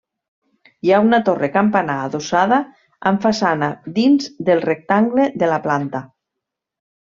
Hi ha una torre campanar adossada amb façana dins del rectangle de la planta.